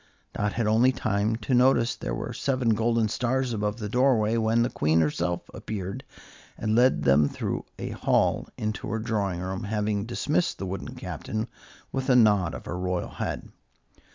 Dot had only time to notice that there were seven golden stars above the doorway, when the Queen herself appeared and led them through a hall into her drawing room, having dismissed the wooden Captain with a nod of her royal head.